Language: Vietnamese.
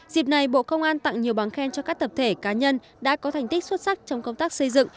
dịp này bộ công an tặng nhiều bằng khen cho các tập thể cá nhân đã có thành tích xuất sắc trong công tác xây dựng